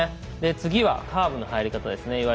次はカーブの入り方ですね。